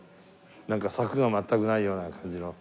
なんか柵が全くないような感じの。